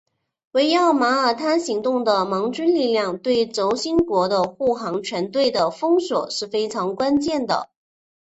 围绕马耳他行动的盟军力量对轴心国的护航船队的封锁是非常关键的。